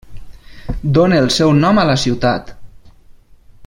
Done el seu nom a la ciutat.